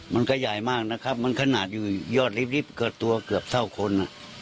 มันก็ใหญ่มากมันขนาดอยู่ยอดริบริบตัวเกือบเท่าคน